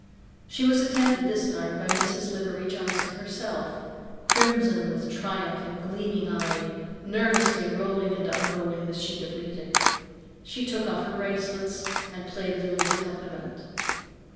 She was attended this time by Mrs. Livery Johnson herself, crimson with triumph and gleaming eyed, nervously rolling and unrolling a sheet of music. She took off her bracelets and played Lily's accompaniment.